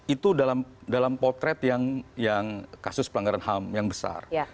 itu dalam potret yang kasus pelanggaran ham yang besar